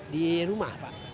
di rumah pak